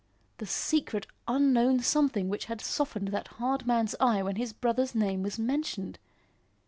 The secret, unknown something which had softened that hard man's eye when his brother's name was mentioned!